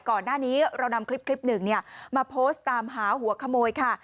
ก่อนหน้านี้เรานำคลิปหนึ่งมาโพสต์ตามหาหัวขโมยค่ะ